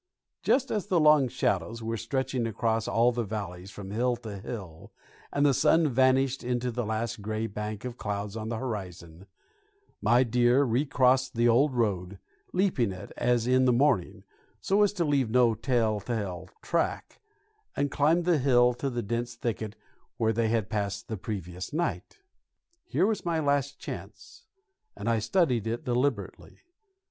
Just as the long shadows were stretching across all the valleys from hill to hill, and the sun vanished into the last gray bank of clouds on the horizon, my deer recrossed the old road, leaping it, as in the morning, so as to leave no telltale track, and climbed the hill to the dense thicket where they had passed the previous night. Here was my last chance, and I studied it deliberately.